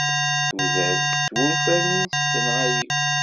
Tudert, s wurfan-is, tenɣa-yi.